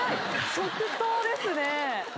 即答ですね。